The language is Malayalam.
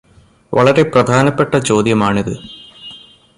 വളരെ പ്രധാനപ്പെട്ട ചോദ്യമാണിത്.